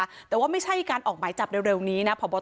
ตำรวจบอกว่าภายในสัปดาห์เนี้ยจะรู้ผลของเครื่องจับเท็จนะคะ